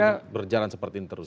ini berjalan seperti ini terus